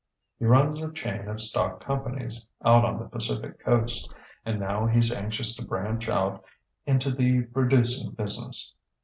"He runs a chain of stock companies out on the Pacific Coast, and now he's anxious to branch out into the producing business."